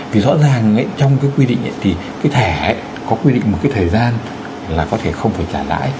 vì rõ ràng trong cái quy định thì cái thẻ có quy định một cái thời gian là có thể không phải trả lãi